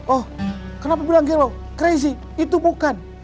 oh kenapa bilang gelo crazy itu bukan